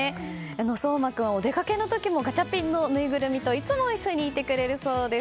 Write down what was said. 想真君、お出かけの時もガチャピンのぬいぐるみといつも一緒にいてくれるそうです。